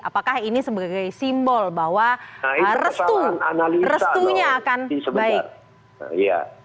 apakah ini sebagai simbol bahwa restunya akan baik